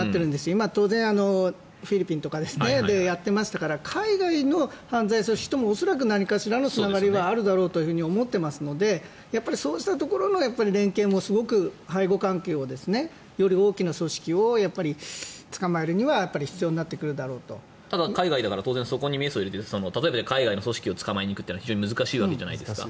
今、当然フィリピンとかでやってましたから海外の犯罪組織とも恐らく何かしらのつながりはあるだろうと思ってますのでそうしたところの連携も背後関係をより大きな組織を捕まえるにはただ海外だから当然、そこにメスを入れて海外の組織を捕まえに行くのは非常に難しいわけじゃないですか。